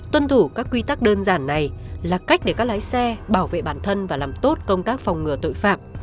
tuân thủ các quy tắc đơn giản này là cách để các lái xe bảo vệ bản thân và làm tốt công tác phòng ngừa tội phạm